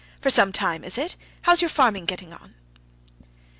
For some time, is it? How's your farming getting on?"